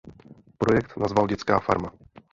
Projekt nazval Dětská farma.